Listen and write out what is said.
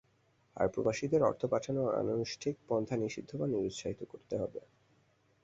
আর প্রবাসীদের অর্থ পাঠানোর অনানুষ্ঠানিক পন্থা নিষিদ্ধ বা নিরুৎসাহিত করতে হবে।